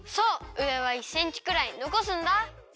うえは１センチくらいのこすんだ！